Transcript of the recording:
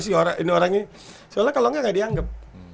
soalnya kalo enggak gak dianggap